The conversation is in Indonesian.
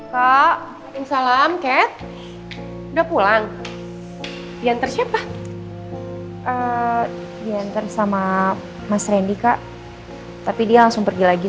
kak salam cat udah pulang diantar siapa diantar sama mas rendy kak tapi dia langsung pergi lagi